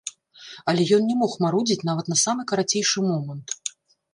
Але ён не мог марудзіць нават на самы карацейшы момант.